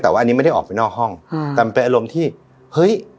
แต่ว่าอันนี้ไม่ได้ออกไปนอกห้องแต่มันเป็นอารมณ์ที่เฮ้ย